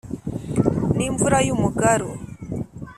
N imvura y umugaru